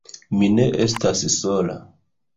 Mi ne estas sola.